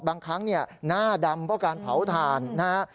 บางครั้งหน้าดำเพราะการเผาถ่านนะฮะ